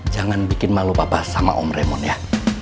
jangan bikin malu papa sama om remon ya